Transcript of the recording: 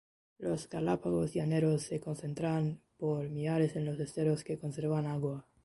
Los galápagos llaneros se concentran por millares en los esteros que conservan agua.